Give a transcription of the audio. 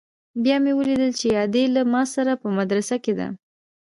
بيا مې وليدل چې ادې له ما سره په مدرسه کښې ده.